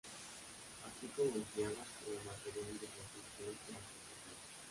Así como empleada como material de construcción y artesanía.